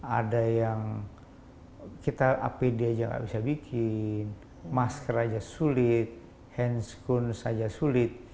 ada yang kita apd saja tidak bisa bikin masker saja sulit handscoot saja sulit